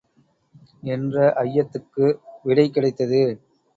என்ற அய்யத்துக்கு விடை கிடைத்தது.